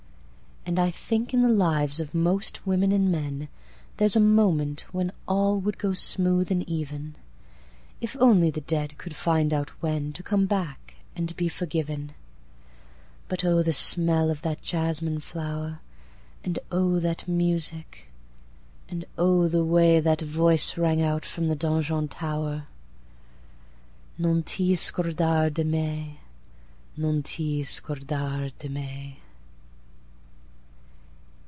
And I think, in the lives of most women and men, There 's a moment when all would go smooth and even, If only the dead could find out whenTo come back, and be forgiven. But O the smell of that jasmine flower! And O that music! and O the wayThat voice rang out from the donjon tower, Non ti scordar di me, Non ti scordar di me!